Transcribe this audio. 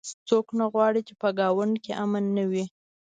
څوک نه غواړي چې په ګاونډ کې امن نه وي